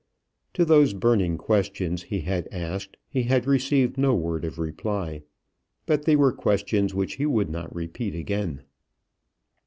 To those burning questions he had asked he had received no word of reply; but they were questions which he would not repeat again.